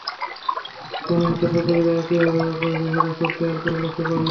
গণহত্যা শব্দটি তারা কীভাবে ব্যবহার করেছে, সেটা খুব খেয়াল করে লক্ষ করলাম।